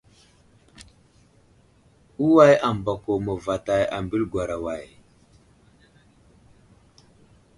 Əway ambako məvətay ambiliŋgwera way ?